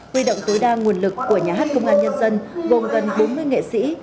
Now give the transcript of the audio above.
huy động tối đa nguồn lực của nhà hát công an nhân dân gồm gần bốn mươi nghệ sĩ